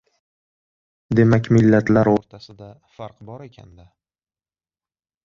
«Demak millatlar o‘rtasida farq bor ekan-da?